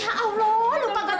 ya allah lu kaget